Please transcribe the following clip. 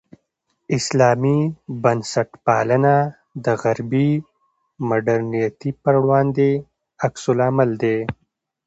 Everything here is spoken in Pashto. اسلامي بنسټپالنه د غربي مډرنیتې پر وړاندې عکس العمل دی.